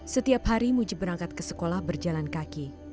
setiap hari mujib berangkat ke sekolah berjalan kaki